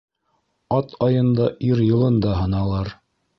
Ат айында, ир йылында һыналыр.